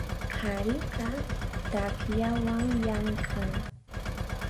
Qhariqa takllawan llamk'an.